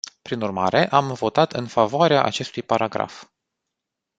Prin urmare, am votat în favoarea acestui paragraf.